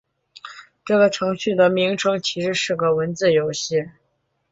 这个程序的名称其实是个文字游戏。